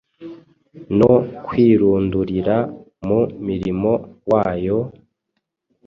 no kwirundurira mu mirimo wayo-